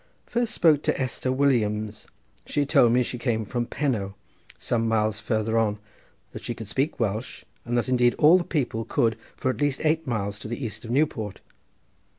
First spoke to Esther Williams. She told me she came from Pennow some miles farther on, that she could speak Welsh, and that indeed all the people could for at least eight miles to the east of Newport.